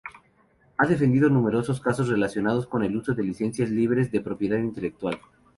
Ha defendido numerosos casos relacionados con el uso de licencias libres de propiedad intelectual.